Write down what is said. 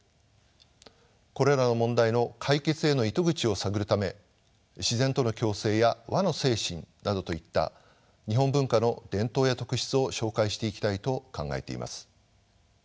これらの問題の解決への糸口を探るため自然との共生や和の精神などといった日本文化の伝統や特質を紹介していきたいと考えています。